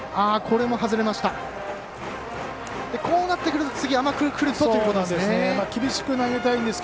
こうなってくると次、甘くくるとということですね。